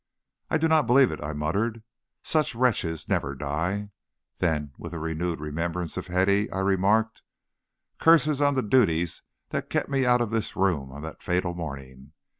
"I do not believe it," I muttered. "Such wretches never die." Then, with a renewed remembrance of Hetty, I remarked: "Curses on the duties that kept me out of this room on that fatal morning.